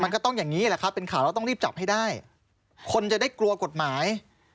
มันก็ต้องอย่างนี้แหละครับเป็นข่าวแล้วต้องรีบจับให้ได้คนจะได้กลัวกฎหมาย